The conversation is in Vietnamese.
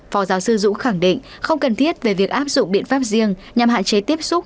phó giáo sư dũng khẳng định không cần thiết về việc áp dụng biện pháp riêng nhằm hạn chế tiếp xúc